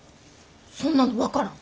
そんなの分からん！